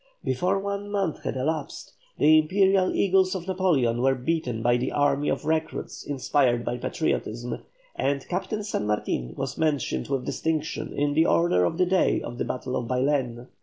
Before one month had elapsed, the imperial eagles of Napoleon were beaten by an army of recruits inspired by patriotism, and Captain San Martin was mentioned with distinction in the order of the day of the battle of Baylen.